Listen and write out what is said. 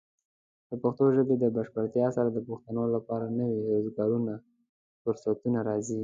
د پښتو ژبې د بشپړتیا سره، د پښتنو لپاره نوي روزګاري فرصتونه راځي.